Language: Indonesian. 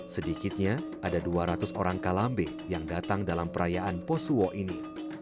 sedikitnya ada dua ratus orang kalambe yang datang dalam perayaan posuo ini